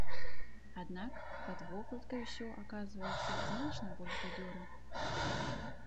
Аднак, пад вокладкай усё аказваецца значна больш бадзёра.